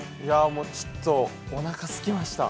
◆もう、ちっと、おなかすきました。